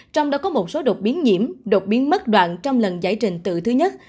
trong đó có một số đột biến nhiễm độc biến mất đoạn trong lần giải trình tự thứ nhất